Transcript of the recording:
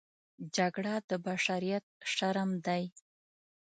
جګړه د بشریت شرم دی